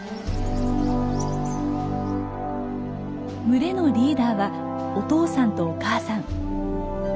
群れのリーダーはお父さんとお母さん。